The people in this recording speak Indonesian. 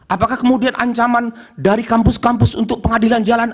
apakah kemudian ancaman dari kampus kampus untuk pengadilan jalan